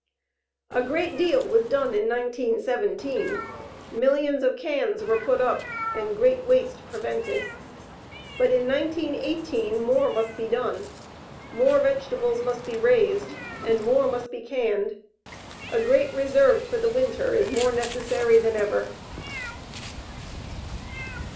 A GREAT DEAL WAS DONE IN 1917; MILLIONS OF CANS WERE PUT UP AND GREAT WASTE PREVENTED. BUT IN 1918 MORE MUST BE DONE. MORE VEGETABLES MUST BE RAISED AND MORE MUST BE CANNED. A GREAT RESERVE FOR THE WINTER IS MORE NECESSARY THAN EVER.